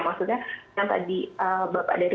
maksudnya yang tadi bapak dari